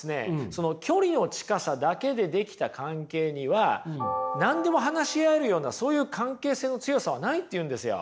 その距離の近さだけでできた関係には何でも話し合えるようなそういう関係性の強さはないって言うんですよ。